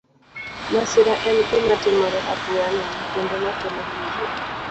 Masira en gima timore apoya nono kendo ma kelo hinyruok.